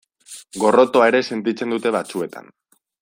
Gorrotoa ere sentitzen dute batzuetan.